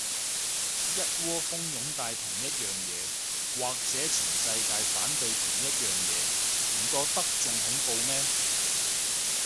一窩蜂擁戴同一樣嘢，或者全世界反對同一樣嘢，唔覺得仲恐怖咩